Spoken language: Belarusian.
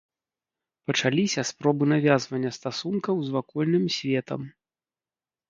Пачаліся спробы навязвання стасункаў з вакольным светам.